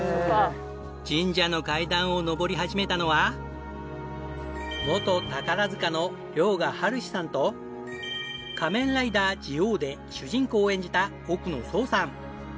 神社の階段を上り始めたのは元宝塚の遼河はるひさんと『仮面ライダージオウ』で主人公を演じた奥野壮さん。